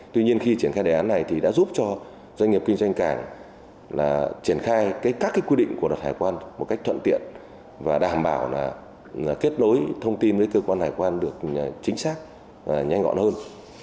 tuy nhiên khi triển khai đề án này thì đã giúp cho doanh nghiệp kinh doanh cảng triển khai các quy định của luật hải quan một cách thuận tiện và đảm bảo là kết nối thông tin với cơ quan hải quan được chính xác và nhanh gọn hơn